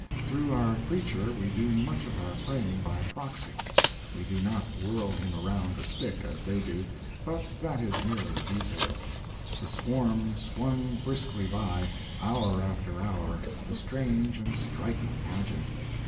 Through our preacher we do much of our praying by proxy. We do not whirl him around a stick, as they do, but that is merely a detail. The swarm swung briskly by, hour after hour, a strange and striking pageant.